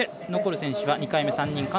残る選手が２回目、３人。